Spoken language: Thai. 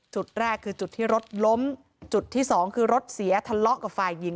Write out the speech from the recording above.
จุดแรกคือจุดที่รถล้มจุดที่สองคือรถเสียทะเลาะกับฝ่ายหญิง